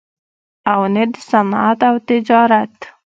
او نه دَصنعت او تجارت